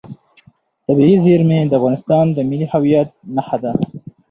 طبیعي زیرمې د افغانستان د ملي هویت نښه ده.